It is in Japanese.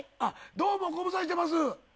どうも、ご無沙汰してます。